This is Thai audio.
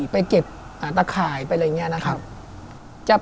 ไปเก็บตะข่ายไปอะไรอย่างนี้